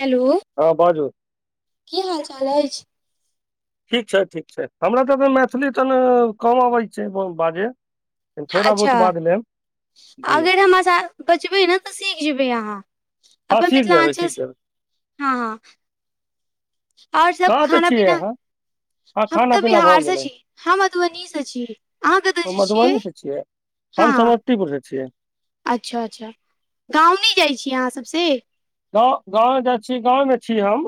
Hello हँ बाजू की हाल चाल अछि ठीक छै ठीक छै हमरा तऽ तऽ मैथिली तने कम अबैत छै बाजे थोड़ा अच्छा बहुत बाज लेब जी अगर हमरा साथ बचबै ने तऽ सीख जेबै अहाँ हँ अपन सीख जेबै मिथिलाञ्चल सीख जेबै हँ हँ आओर सब कहाँ से खाना छियै पीना अहाँ हँ हम खाना तऽ पीना भऽ बिहार से गेलै छी हम मधुबनी से छी अहाँ कतय जे छियै मधुबनी से छियै हम हँ समस्तीपुर से छियै अच्छा अच्छा गांव नहि जाइ छी अहाँ सब से गाँ गाँव जाइ छी गाँवमे छी हम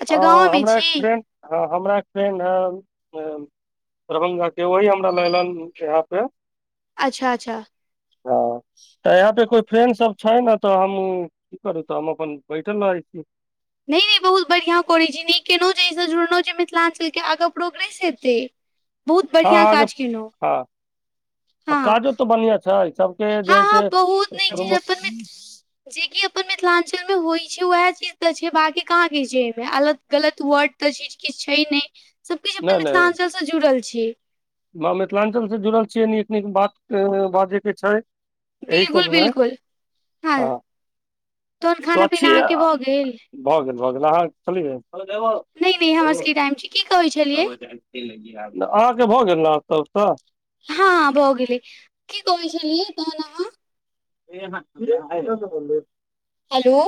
अच्छा गाँवमे हमरा एक छी फ्रेन्ड हँ हमरा फ्रेण्ड है दरभंगा के वही हमरा ललन यहाँ पे अच्छा अच्छा हँ तऽ यहाँ पे कोई फैन सब छै ने तऽ हम की करू तऽ हम अपन बैठल रहै छी नहि नहि बहुत बढ़िआँ करे छी निक केलहुँ जे एहिसँ जुड़लहुँ जे मिथिलाञ्चलके आगाँ प्रोग्रेस हेतै [inaudible] बहुत बढ़ियाँ आगे काज केलहुँ हँ आ हँ काजो तऽ बढ़ियाँ छै सबके हँ जे हइ हँ से बहुत नीक छै जे अपन मिथ जेकि अपन मिथिलांचल में होइ छै वएह चीज तऽ छै बाकी कहाँ के छै एहिमे अलत गलत वर्ड ओतऽ चीज किछु छै नहि सभ किछु नहि अपन नहि मिथिलाञ्चलसँ जुड़ल छी मिथिलाञ्चल से जुड़ल छियै नीक नीक बात बाजयके छै यही बिलकुल सब है बिलकुल हँ तोन खाना पीना अहाँके भऽ गेल भ गेल भ गेल अहाँ खेलिए नहि नहि हमर सबके टाइम छै की कहै छलियै अहाँके भऽ गेल ने त तऽ हँ बौग गेली कि कही तोह नाम क बोल [unintelligible] हेलो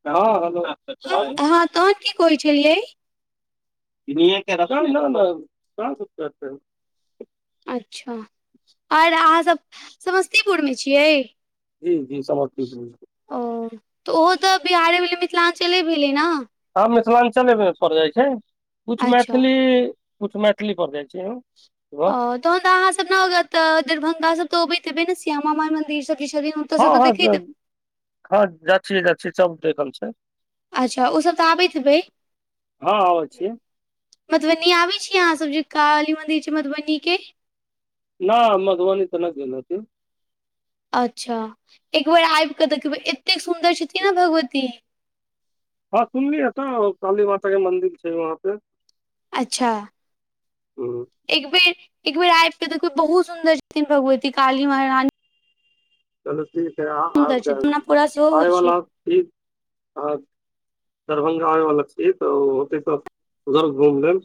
[inaudible] आहां तहन की कहै छलियै [unintelligible] अच्छा आओर अहाँसभ समस्तीपुरमे छियै ही जी समझत ओ तऽ ओहो तऽ बिहारे भेलै मिथिलाञ्चले भेलै ने हँ मिथिलाञ्चलेमे पड़ जाइ छै कुछ अच्छा मैथिली कछु मैथिली पर जाइ छै अ तहन तऽ अहाँ सब न ने दरभंगा सब त अबैत हेबे ने श्यामा माई मंदिर सब कि छथिद हँ हँ सब हँ जा छियै जा छियै सब देखल छै अच्छा ओसब तऽ आबैत हेबै हँ आबै छियै मधुबनी आबै छीयै अहाँ सब जे काली मंदिर छै मधुबनी के न मगबनी तऽ नहि नती अच्छा एकबेर आबि कऽ देखबै एतेक सुन्दर छथिन ने भगवती हँ सुनलियै तऽ काली माता के मंदिर छै वहाँ पे अच्छा ह एक बेर एक बेर आब के देखै बहुत सुंन्दर छथिन भगवती काली महारानी चलू ठीक है सुन्दर छथिन हमरा पूरा सेहो होइ छै आयवला ठ दरभंगा आबे वाला छियै तऽ ओते त उधर घूम लेब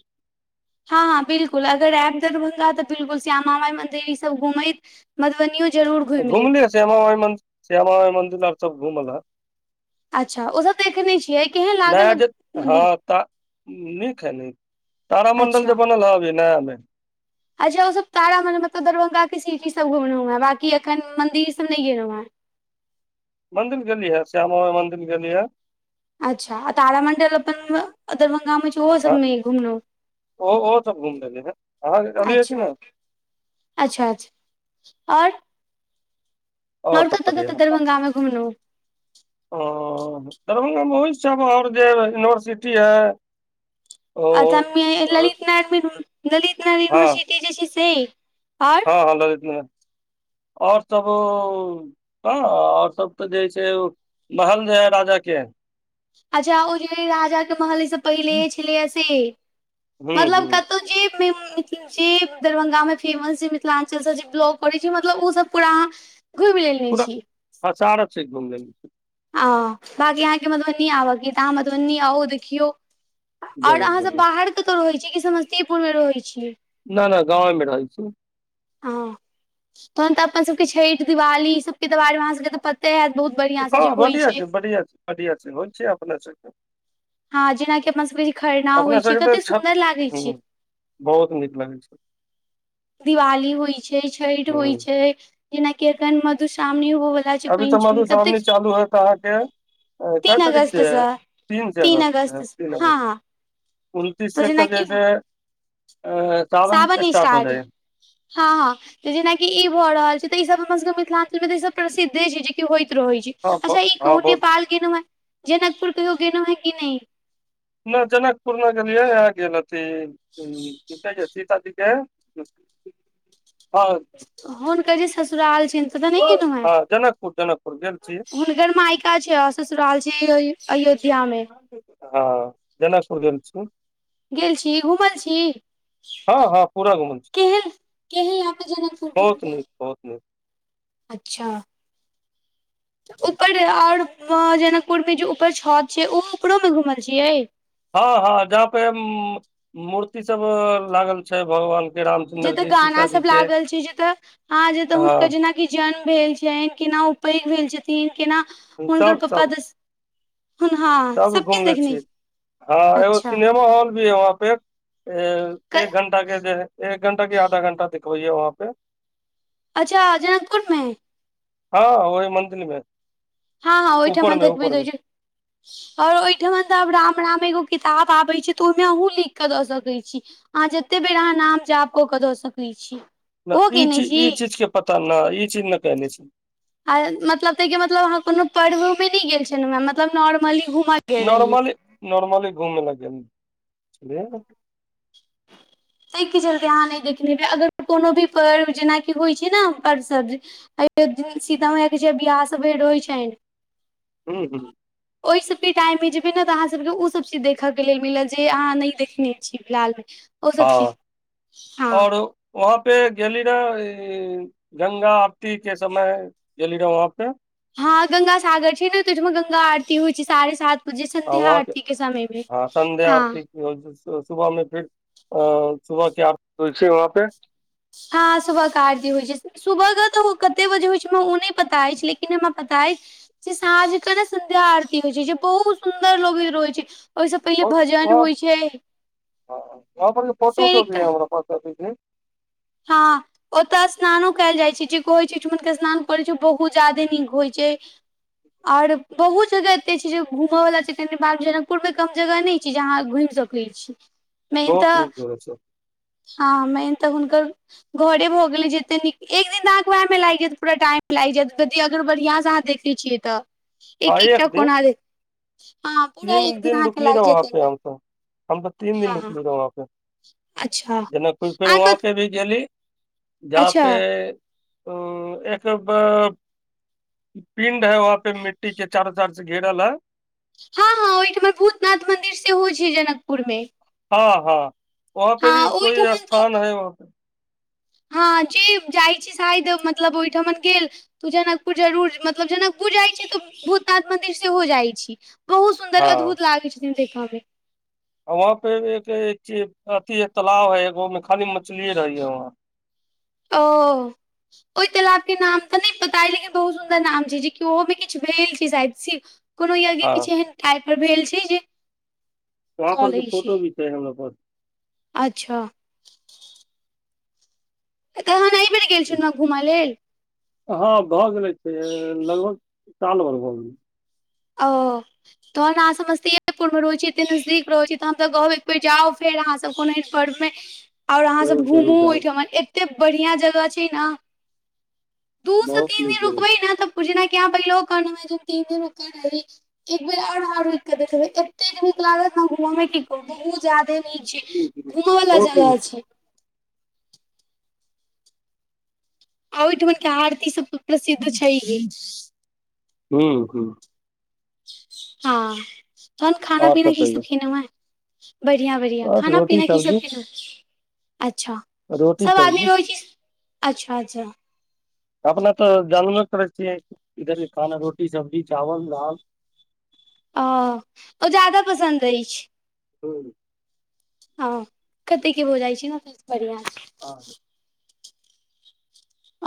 हँ हँ बिल्कुल अगर आयब दरभंगा तऽ बिलकुल श्यामा माई मंदिर ई सब घुमैत मधुबनीओ घुमलियै श्यामा माइ मन्दिर श्यामा माइ मंदिर आर सब घुमल है अच्छा ओसभ देखने छियै केहन लागल नज हँ मन्दिर तऽ नीक है न तारामण्डल जे अच्छा बनल है अभी नया मे अच्छा आहांसब तारामण्डल मतलब दरभंगा के सीटी सब घुमलहुँ हँ बाकी एखन मन्दिर सब नइ गेलौं ह मंदिर गेलियीहै श्याम माइ मंदिर गेलीहे अच्छा आ तारामण्डल अपन दरभंगामे छै ओहो हँ सभमे घुमलहुँ ओ ओहो त घुमी ह अहाँ चली ह अच्छा ने अच्छा अच्छा आओर आओर सब कतहु कतौ बढ़िया दरभङंगा मे घुमलू ओ दरभंगा मे बहुत छैओर जे यूनिवर्सिटी है ओ अ हँ ललित नारायण ललित नाय यूनिवर्सिटी ज छै से हँ आओर हँ ललितमे आओर सब ह ओर सब तऽ जे है छै महल जे है राजा के अच्छा ओ जे राजा के महले से पहिले छलै से हूँ मतलब हूँ कतौ जे जे दरभंगा मे फेमस जे मिथिलाञ्चलसँ जे ब्लॉग करै छै मतलब ओ सब पूरा अहाँ घुमि लेने पूरा छी हँ सारा छै एकदम द हँ बाँकी अहाँके मधुबनी आबयके य तऽ अहाँ मधुबनी आउ देखियौ आओर जरूर अहाँसभ जरूर बाहर कतहु रहैत छीयै कि समस्तीपुरमे रहैत छीयै न न गाँवमे रहै छी ह तहन तऽ अपन सभके छठि दिवाली ई सबके तऽ बारेमे अहाँ सभके तऽ प बहुत [unintelligible] हँ बढ़िया छै बढ़िया छै बढ़िया छै होल छै अपने सब हँ जेनाकि अपना सभके जे खरना अपना होइत छै सबके तऽ कतेक छठ सुन्दर लागैत छै हूँ बहुत नीक लागै छै दिवाली होइ छै छठि होइ हूँ छै जेनााकी एखन मधुश्रावणी होब अभी तऽ मधुश्रआमनी चालू हयत अहाँके क तीन तारीख अगस्त छै सँ तीन छै अगस्त से तीन हँ हँ अगस्त उनतीस से तऽ जैसे सावन स्टार्ट हो जाइए हँ हँ जेनाकि ई भऽ रहल छै तऽ ई सब हमर सबके मिथिलांचल मे त ई सब प्रसिद्धे छै जेकि होइत रहे छै हँ अच्छ ई कहू बहुत नेपाल गेनौ है जनकपुर कहियो गेनौ है की नइ न जनकपुर न गेललिय इ गेलल त ह ठ कहे छै सीता दे हँ हुनकर जे ससुराल छै तऽ बहनोइए हैं प्रोज्ट छी हुनकर मायिका छै आर ससुराल छै अयोध्या मे हँ जनकपुर गेल छी गेल छी घूमल छी हँ हँ पूरा घुमल छी केह यहाँ पे जनकपुर बहुत ब नीक बहुत नीक अच्छा [inaudible] ऊपर और जनकपुर मे जे ऊपर छत छै ओऊपरो मे घूमल छियै हँ हँ जहाँ पे मूर्ति सब लागल छै भगवान के जे रामचंन्द्र तऽ जी गाना सीताजी सब के लागल छै जे तऽ हँ जे तऽ हँ हुनकर जेना जन्म भेल छनि केना उ पैघ भेल छथिन केना सब हुनकर पापा सब दस हुन हँ सब घुमले छी हँ एगो अच्छा सिनेमा हॉल भी है वहाँ पे एक घंटा के एक घंटा के आधा घंटा दिखबैयए वहाँ पे अच्छा जनकपुरमे हँ ओहि मंदीलीमे हँ हँ ओहिठामे देखबैत रहै छै आओर ओहिठुमा आब राम राम एगो किताब आबे छै तऽ ओहिमें अहुं लिखके दऽ सकैत छी अहाँ जतेक बेर अहाँ नाम जाप कऽ कऽ दऽ सकैत छी ओहो नहि ई केने चीज छी ई चीज के पता नहि ई चीज ने कने छै आ मतलब तइके मतलब अहाँ कोनो पर्वोमे नइ गेल छलहुँ मतलब नॉर्मली घुम नॉर्मली नॉर्मली घूमै ल गेल छलिए न ताहिके चलते अहाँ नहि देखने हेबै अगर कोनो भी पर्व जेनाकि होइ छै ने हम पर्व सब अयोध्या सीतामाय के छै बियाह सभ होइत छनि हूंम्म हूंम्म ओइ सबके टाइममे जेबै ने तऽ अहाँसबके ओसब चीज देखयके लेल मिलत जे अहाँ नइ देखने छी फिलहालमे ओ सब चीज हँ हँ और वहाँ पे गेली रहै ई गंगा आरतीके समय गेली रहै वहाँ पे हँ गंगा सागर छै ने तैठुमा गंगा आरती होइ छै साढ़े सात जे आ संध्या वहाँ आरती के समय मे हँ सुबहमे फिर अ सुबहके आरती होइ छै वहाँ पे हँ सुबह क दी होइ छै सुबह के तऽ कते बजे होइ छै हमरा ओ नहि पता अछि लेकिन हमरा पता अछि से सांझके ने सन्ध्या आरती होइ छै जे बहुत सुन्दर लगैत रहै छै ओहिसँ पहिले और भजन वहाँ होइ छै हँ पर फोटो फेर एकटा [unintelligible] हँ ओतय स्नानो कयल जाइ छै जे कहैत छै ओइठमन के स्नान करैत छै ओ बहुत ज्यादे नीक होइत छै और बहुत जगह एते छै जे घूमय वाला छै कनिबा जनकपुर मे कम जगह नै चिज आहाँ घुइम सकेय छिये नय बहुत नीक तऽ जगह छै हँ नय तऽ हुनकर घरे भ गेले जते नीक एक दिन त अहाँ के वहए मे लागि जायत पूरा टाइम लागि जायत यदि अगर बढ़िया से अहाँ देखे छिये तऽ [inaudible] एक एकटा दिन कोना दे तीन दिन रुकली लागि रहै वहाँ जायत पे एहिमे हम तऽ हम तऽ तीन दिन हँ हँ रुकली रहि वहाँ पे अच्छा जेनकपुर फेर वहाँ अहाँके पे भी गेली जहाँ अच्छा पे ओ एक पिंड है वहाँ पे मि ठीक छै चारो साइडसं घेरल है हँ हँ ओहिठुमा भूतनाथ मंदिर सेहो छै जनकपुर मे हँ हँ वहाँ पे हँ भी कोइ ओहिठमन स्थान तऽ हइ वहाँ पे हँ जे जाइ छै शायद मतलब ओहिठमन गेल तू जनकपुर जरूर मतलब जनकपुर जाइत छै तऽ भूतनाथ मन्दिर सेहो जाइत छी बहुत सुन्दर हँ अद्भुत लागै छथिन देखऽ मे वहाँ पे एक चिज एक अथि है तालाब हइ एगो मे खाली मछलीए रहै हैय वहाँं ओ ओहि तालाब के नाम तऽ नहि पता ह लेकिन बहुत सुन्दर नाम छै जेकि ओहोमे किछ भेल छै साइद कोनो यज्ञ हँ किछु एहन टाइप पर भेल छै जे वहाँ पर के चलै छै फोटो भी छैै हमरा पास अच्छा तहन एहि बेर गेल छनै घूमय लेल हँ भऽ गेलै से लगभग साल भर भऽ गेलै ओ [inaudible] तहन अहाँ समस्तियेपुर मे रहो छी एतेक नजदीक रहै छी त हम तऽ कहब एकबेर जाउ फेर अहाँ सब कोनो पर्व मे [inaudible] और अहाँसब जरूर घूमू जरूर जायब ओहिठाम एते बढ़िया जगह छै न बहुत निक जगह छै पुजनाय की अहाँ पहिलेओ कहने मे जे तीन दिन ओतय रहि एक बेेर और अहाँ रूक के देखेबै एतेक नीक लागत ने घूमऽ मे की कर बहुत जादे ठिक छै घुमय वला बहुत जगह नीक छै आ ओहिठुमनके आरती सब प्रसिद्ध हूँ छैहे हूँ हँ तहन खाना आओर पीना की सब कहियौ खेनौ ह बढ़िया बढ़िया बस खाना रोटी पीना की सब सब्जी खेलौ अच्छा रोटी सब आदमी सब्जी रहै छी अच्छा अच्छा अपना तऽ जानबे करै छियै इधर के खाना रोटी सब्जी चावल दाल अ ओ ज्यादा पसन्द अछि हूँ हँ कते के भ जाइ छै ने [unintelligible] ह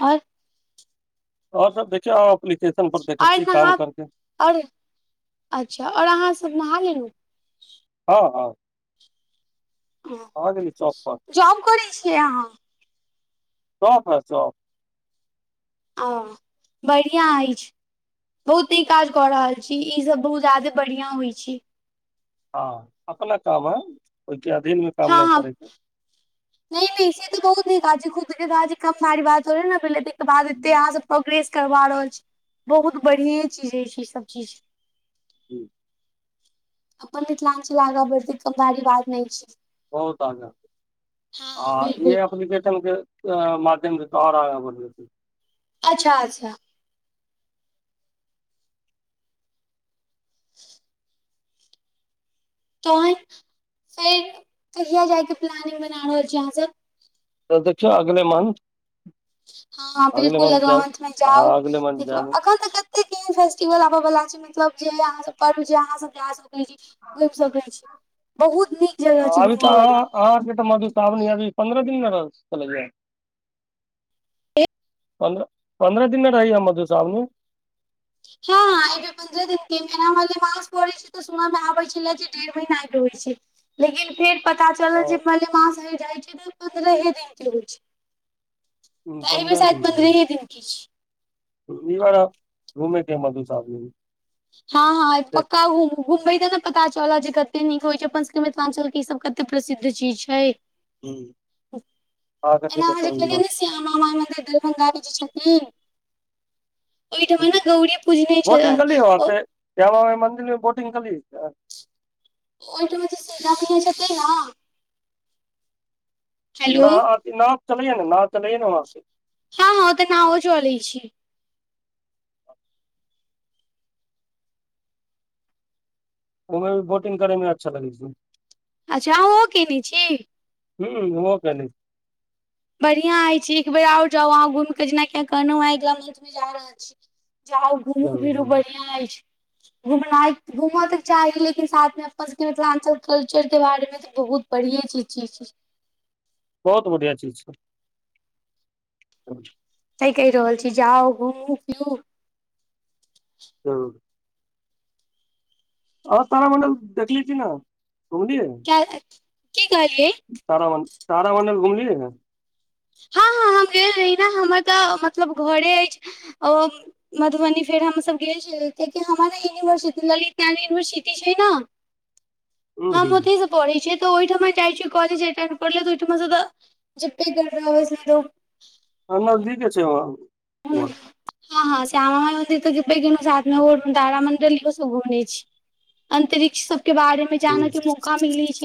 और आओर सब देखियौ एप्लीकेशन पर देखै आइ छी काम नहा करके अरे अच्छा आओर अहाँ सब नहा लेलहु हँ हँ हँ गेली चौकपअ जॉब कर छिय अहाँ हं हं सब [unintelligible] अं बढ़िआँ अछि बहुत नीक काज कऽ रहल छी ई सब बहुत ज्यादे बढ़िया होइ छै हँ अपना काम है ओहिके अधीन मे काम हँ नहि हँ करेके नहि नहि से तऽ बहुत निक काजी खुदाजी कम सारी बात हो रहै ने पहि बाद एते यहाँ प्र करबा रहल छी बहुत बढ़िए चीज होय छै ई सब चीज जी [inaudible] अपन मिथिलाञ्चल आगाँ बढ़ते की बात नहि छै बहुत आगा आ हँ ई बिलकुल एप्लीकेशन के मध्यम द तार बर [unintelligible] अच्छा अच्छा [inaudible] तहन फेर कहिआ जायके प्लानिंग बना रहल छी अहां सब तऽ देखियौ अगले मंथ हँ अगले बिल्कुल मंथ अगला जाउ मंथमे हँ जाउ अगले मंथ देख जायब अग त एते केहन फेस्टिवल आबे वाला छै मतलब जे यहाँ सब पर्व जे अहाँ सब ग घुमि सकै छी बहुत नीक जगह छै अभी तऽ घूमऽ अह बला अहाँके तऽ मधुश्रावणी अभी पंन्द्रह दिनमे रह चले या पन्द्रह पन्द्रह दिनने रहैय मधु श्रावणि हँ प्रह दिन के मना पड़े छै सुबह मे आबे छै जे डेढ़ महीना होै छै [unintelligible] लेकिन फेर पता चलल जे मलिमास हरि जाइत छै तऽ पन्द्रहे दिनके होइ छै तऽ एहि बेर पन्द्रह शायद दिन के पन्द्रहे दिन की छै [unintelligible] हँ हँ आइ पक्का घुम घूमबे तऽ नहि पता चल जे कते नीक होइ छै अपन मिथिलांचलक के सब क प्रसिद्ध चीज छै आ करके एना अहाँ देखो ई बार जे मामा माइ मन्दर दलभदारी जी छथिन [unintelligible] ओहिठाम हम्म। ने गौरी पूजने छै बोटिंग कली वहाँ पे क्या नाम है मन्दिर मे बोटिंग का लिंस्ट ओहिठमे त से छै तै ने [unintelligible] हेलो नाउ नाउ चलए ने नाउ चलै ने वहाँ पे हँ हँ ओ तऽ नाओ चलै छै उम्हर बोटिंग करे मे अच्छा लगै छै अच्छा आँहो कयने छी हूँ भऽगेले बढ़ियां अछि एक बेर आ ओर जाउ अहाँ घुमिक के जेनाकि कहल ह एका मंथ मे जा रहल छी जाउ घुमू जरूर फिरू जरूर बढ़िया अछि घुना घूमऽ तऽ चाही लेकिन साथमे अपन सबके मिथिलानचल कल्चर के बारे मे बहुत बढ़िये चीज छी बहुत बढ़िया चीज छै अच्छा सही कहि रहल छी जाउ घूमू फिउ ह [unintelligible] आओर तारा मण्डल देखलि छी नहि की कहै छी तारामणडल तारामणडल घुमली रहें हँ हँ हम गेल रही ने हमर तऽ मतलब घरे अछि ओ मधुबनी फेर हमसभ गेल छलै कियाकि हमरा यूनिवर्सिटी ललित नारायण यूनिवर्सिटी छै ने हूँ हूँ हमु ते इ सब पढ़ै छै तऽ ओहिठाम जाई कज प तऽ ओहिठ ज प कर [unintelligible] ह नजदीके छै वाँ हँ हँ श्यामा माइ हो तऽ [unintelligible] साथमे ओ तारामण्डली सब घुमने छी अंतरिक्ष सबके बारे मे हम्म जानेके मौका मिलै छै